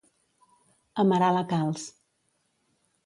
Amarar la calç.